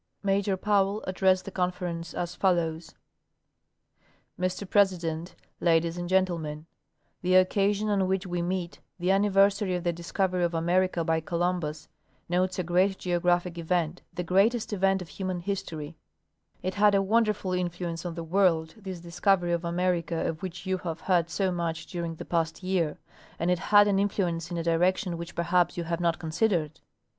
Major Powell addressed the Conference as folloAvs : Mr President, Ladies and Gentlemen; The occasion on which we meet, the anniversary of the discovery of America by Columbus, notes a great geographic event, the greatest event of human history. It had a Avonderful influence on the world, this discovery of America of which you have heard so much during the past year ; and it had an influence in a direction which perhaps you have not considered. 108 International Geographic Conference.